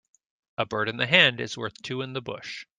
A bird in the hand is worth two in the bush.